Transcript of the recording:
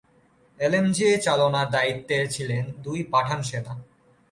LMG চালনার দায়িত্বে ছিলেন দুই পাঠান সেনা।